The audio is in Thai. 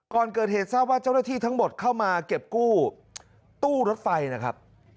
ก่อนเกิดเหตุทราบว่าเจ้าหน้าที่ทั้งหมดเข้ามาเก็บกู้ตู้รถไฟนะครับ